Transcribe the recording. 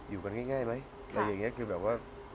อยู่กันง่ายไหมอะไรอย่างนี้คือแบบว่า